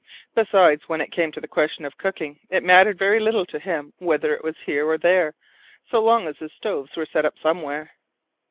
Besides, when it came to the question of cooking, it mattered very little to him whether it was here or there, so long as his stoves were set up somewhere.